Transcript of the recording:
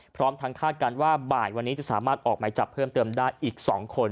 พร้อมทางคาดการณ์ว่าบ่ายวันนี้จะสามารถออกหมายจับเพิ่มเติมได้อีก๒คน